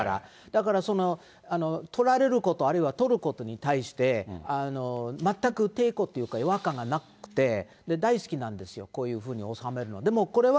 だから撮られること、あるいは撮ることに対して、全く抵抗というか、違和感がなくて大好きなんですよ、こういうふうに収めるのは。